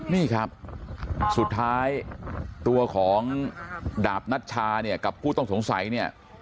นี่ครับสุดท้ายตัวของดาบนัชชาเนี่ยกับผู้ต้องสงสัยเนี่ย